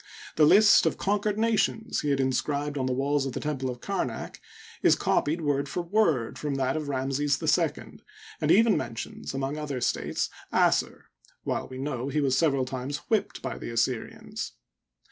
The list of conquered nations he had inscribed on the walls of the temple of Kamak, is copied word for word, from that of Ramses II, and even men tions, among other states, Assur, while we know he was several times whipped by the Assyrians.